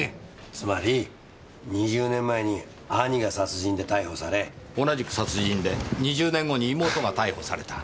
つまり２０年前に兄が殺人で逮捕され同じく殺人で２０年後に妹が逮捕された。